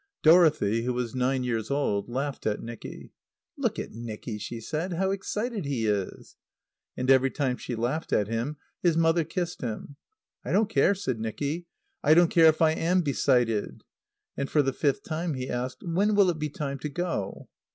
Dorothy, who was nine years old, laughed at Nicky. "Look at Nicky," she said, "how excited he is!" And every time she laughed at him his mother kissed him. "I don't care," said Nicky. "I don't care if I am becited!" And for the fifth time he asked, "When will it be time to go?"